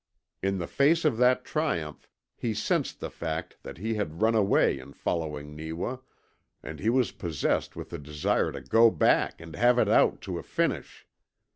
In the face of that triumph he sensed the fact that he had run away in following Neewa, and he was possessed with the desire to go back and have it out to a finish.